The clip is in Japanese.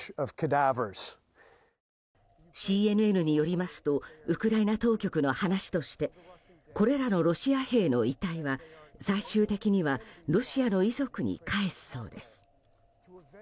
ＣＮＮによりますとウクライナ当局の話としてこれらのロシア兵の遺体は最終的にはロシアの遺族に返すそうです。